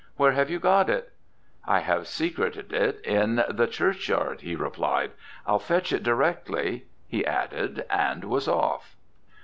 "Where have you got it?" "I have secreted it in the churchyard, sir," he replied. "I'll fetch it directly?" he added, and was off.